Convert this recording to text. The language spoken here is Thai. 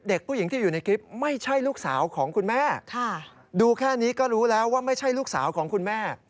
เด็กผู้หญิงที่อยู่ในคลิปไม่ใช่ลูกสาวของคุณแม่ดูแค่นี้ก็รู้แล้วว่าไม่ใช่ลูกสาวของคุณแม่